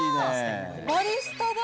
バリスタだ。